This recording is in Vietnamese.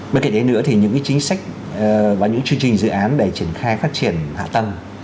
bên cạnh đấy nữa thì những chính sách và những chương trình dự án để triển khai phát triển hạ tầng